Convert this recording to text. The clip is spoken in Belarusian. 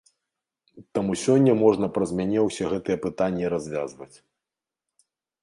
Таму сёння можна праз мяне ўсе гэтыя пытанні развязваць.